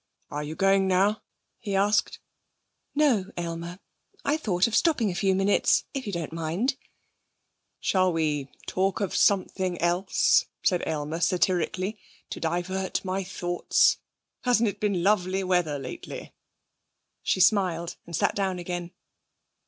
'Are you going now?' he asked. 'No, Aylmer. I thought of stopping a few minutes, if you don't mind.' 'Shall we talk of something else,' said Aylmer satirically, 'to divert my thoughts? Hasn't it been lovely weather lately?' She smiled and sat down again.